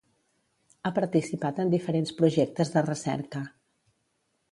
Ha participat en diferents projectes de recerca.